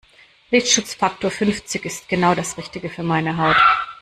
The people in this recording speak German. Lichtschutzfaktor fünfzig ist genau das Richtige für meine Haut.